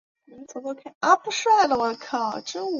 后来经卫斯理的迫使下才相信古堡真的存在问题。